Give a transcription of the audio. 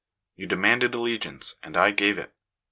You demanded allegiance, and I gave it.